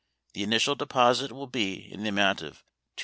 The initial deposit will be in the amount of $216.